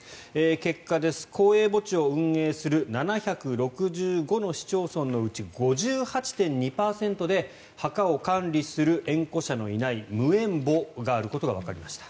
結果です、公営墓地を運営する７６５の市町村のうち５８．２％で墓を管理する縁故者のいない無縁墓があることがわかりました。